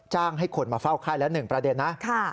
จ้างให้คนมาเฝ้าไข้และหนึ่งประเด็นนะ